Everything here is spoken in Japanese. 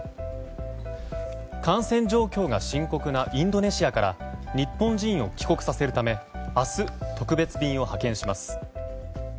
感染状況が深刻なインドネシアから日本人を帰国させるため明日、特別便を派遣します。